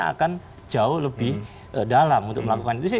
akan jauh lebih dalam untuk melakukan